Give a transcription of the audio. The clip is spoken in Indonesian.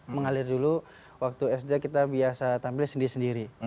mengalir dulu waktu sd kita biasa tampil sendiri sendiri